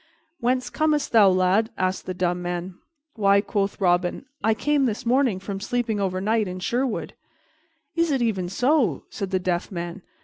"Whence comest thou, lad?" asked the Dumb man. "Why," quoth Robin, "I came this morning from sleeping overnight in Sherwood." "Is it even so?" said the Deaf man.